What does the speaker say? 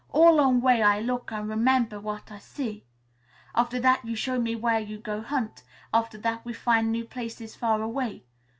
All 'long way I look an' remember w'at I see. After that you show me w'ere you go hunt. After that we fin' new places far away.